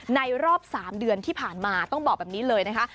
รอบ๓เดือนที่ผ่านมาต้องบอกแบบนี้เลยนะคะ